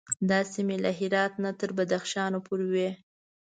دا سیمې له هرات نه تر بدخشان پورې وې.